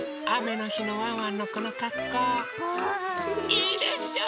いいでしょう？